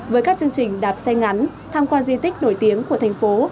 với các chương trình đạp xe ngắn tham quan di tích nổi tiếng của thành phố